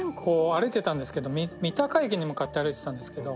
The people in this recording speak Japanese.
歩いてたんですけど三鷹駅に向かって歩いてたんですけど。